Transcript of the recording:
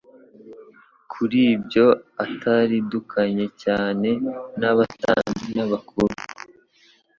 Kuri ibyo ataridukanye cyane n'abatambyi n'abakuru,